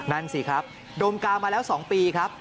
นั่นสิครับดมกาวมาแล้ว๒ปีครับ